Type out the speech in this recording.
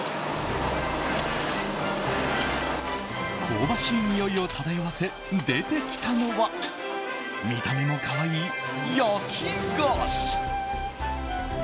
香ばしいにおいを漂わせ出てきたのは見た目も可愛い焼き菓子。